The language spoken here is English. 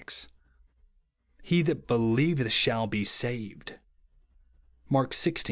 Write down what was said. He that he lieveth shall be saved," (Mark xvi.